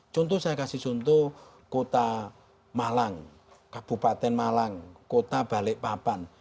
contoh saya kasih contoh kota malang kabupaten malang kota balikpapan